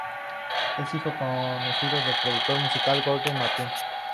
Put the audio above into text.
Es hijo del conocido productor musical George Martin.